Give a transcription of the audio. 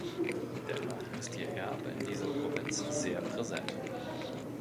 Dennoch ist ihr Erbe in dieser Provinz sehr präsent.